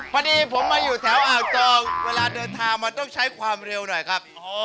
พอดีผมมาอยู่แถวอ่าวจองเวลาเดินทางมันต้องใช้ความเร็วหน่อยครับ